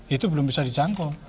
itu belum bisa dijangkau